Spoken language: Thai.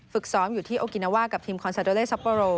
ซ้อมอยู่ที่โอกินาว่ากับทีมคอนซาโดเลซัปโปโร